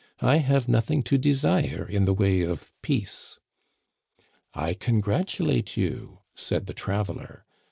I have nothing to desire in the way of peace.' I congratulate you,* said the traveler.